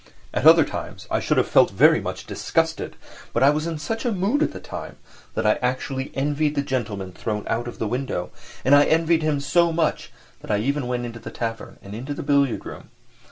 At other times I should have felt very much disgusted, but I was in such a mood at the time, that I actually envied the gentleman thrown out of the window—and I envied him so much that I even went into the tavern and into the billiard room.